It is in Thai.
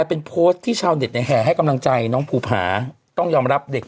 โพสต์ที่ชาวเด็กในแห่ใ่กำลังใจน้องภูผาต้องยอมรับเด็ก